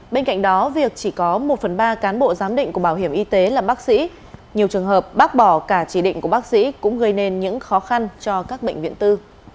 bên cạnh đó việc chỉ có một phần ba cán bộ giám định của bảo hiểm y tế là bác sĩ nhiều trường hợp bác bỏ cả chỉ định của bác sĩ cũng gây nên những khó khăn cho các bệnh viện tư